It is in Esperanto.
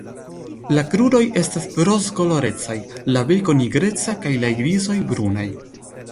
La kruroj estas rozkolorecaj, la beko nigreca kaj la irisoj brunaj.